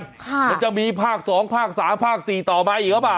เราก็แค่มีภาค๒ภาค๓ภาค๔ต่อมัยอีกหรือเปล่า